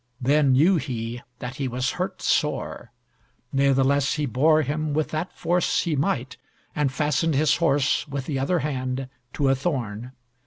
Then knew he that he was hurt sore; nathless he bore him with that force he might, and fastened his horse with the other hand to a thorn.